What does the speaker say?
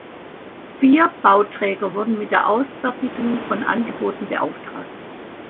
Vier Bauträger wurden mit der Ausfertigung von Angeboten beauftragt.